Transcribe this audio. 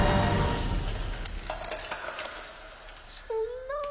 そんな。